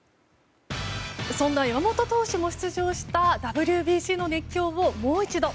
そんな山本投手も出場したＷＢＣの熱狂をもう一度！